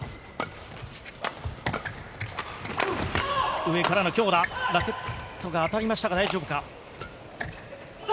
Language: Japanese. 上からの強打、ラケットが当たりましたか、大丈夫か。